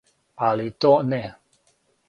Али то не.